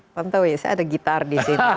pantau ya saya ada gitar di sini